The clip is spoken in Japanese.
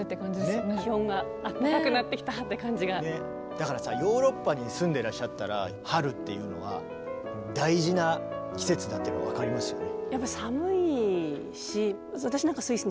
だからさヨーロッパに住んでらっしゃったら春っていうのは大事な季節だっていうの分かりますよね。